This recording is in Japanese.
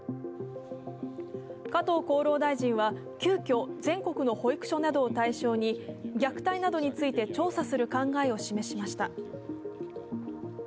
加藤厚労大臣は急きょ、全国の保育所などを対象に虐待などについて調査する考えを示しました。